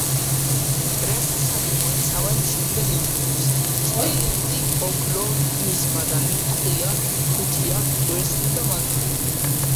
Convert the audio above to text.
რესურსები მოიცავენ შემდეგ ლითონებს: სპილენძი, ოქრო, რკინის მადანი, ტყვია, თუთია, ვერცხლი და მაგნიუმი.